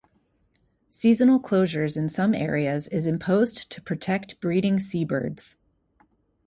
Seasonal closures in some areas is imposed to protect breeding seabirds.